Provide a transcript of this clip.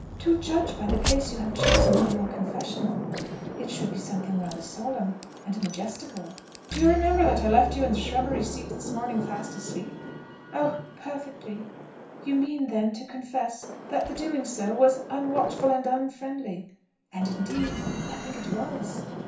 To judge by the place you have chosen for your confessional, it should be something rather solemn and majestical." "Do you remember that I left you on the shrubbery seat this morning fast asleep?" "Oh! perfectly. You mean, then, to confess that the doing so was unwatchful and unfriendly: and, indeed, I think it was.